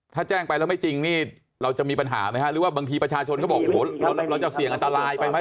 ถ้าแจ้งไปแล้วไม่จริงนี่เราจะมีปัญหาไหมฮะหรือว่าบางทีประชาชนเขาบอกโอ้โหเราจะเสี่ยงอันตรายไปไหม